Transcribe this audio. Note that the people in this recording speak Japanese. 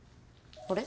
あれ？